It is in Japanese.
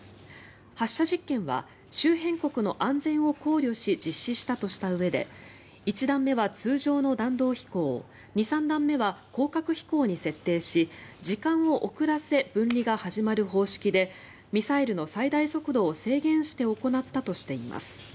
発射実験は周辺国の安全を考慮し実施したとしたうえで１段目は通常の弾道飛行２、３段目は高角飛行に分類し時間を遅らせ分離が始まる方式でミサイルの最大速度を制限して行ったとしています。